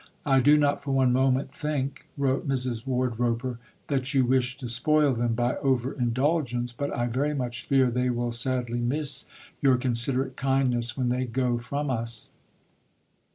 "I do not for one moment think," wrote Mrs. Wardroper, "that you wish to spoil them by over indulgence, but I very much fear they will sadly miss your considerate kindness when they go from us."